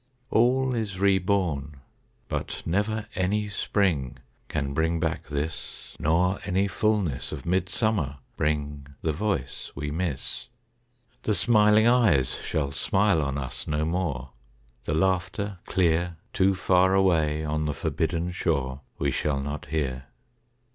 All is reborn, but never any Spring Can bring back this; Nor any fullness of midsummer bring The voice we miss. The smiling eyes shall smile on us no more; The laughter clear, Too far away on the forbidden shore, We shall not hear.